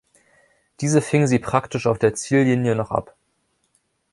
Diese fing sie praktisch auf der Ziellinie noch ab.